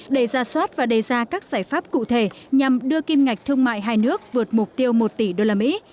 đề ra soát và đề ra các giải pháp cụ thể nhằm đưa kim ngạch thương mại hai nước vượt mục tiêu một tỷ usd